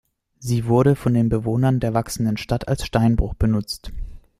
Sie wurde von den Bewohnern der wachsenden Stadt als Steinbruch benutzt.